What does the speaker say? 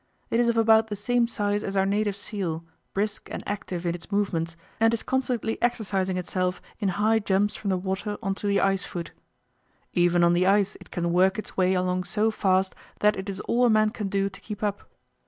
It is of about the same size as our native seal, brisk and active in its movements, and is constantly exercising itself in high jumps from the water on to the ice foot. Even on the ice it can work its way along so fast that it is all a man can do to keep up.